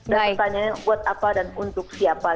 nah pertanyaannya buat apa dan untuk siapa